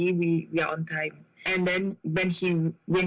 แล้วเมื่อเราถึงที่สถานการณ์